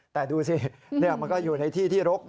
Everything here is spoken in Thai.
แต่ดูสิมันก็อยู่ในที่ที่รก